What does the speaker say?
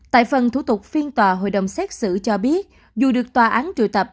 tại phần thủ tục phiên tòa hội đồng xét xử cho biết dù được tòa án trụ tập